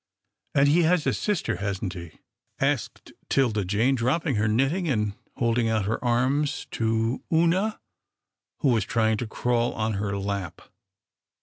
"And he has a sister, hasn't he?" asked 'Tilda Jane, dropping her knitting, and holding out her arms to Oonah who was trying to crawl on her lap.